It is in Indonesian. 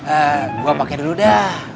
eh gua pake dulu dah